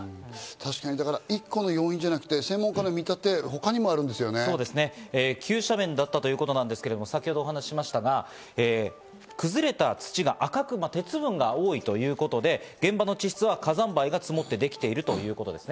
一個の要因ではなくて、急斜面だったということですが、崩れた土が赤く鉄分が多いということで現場の地質は火山灰が積もってできているということですね。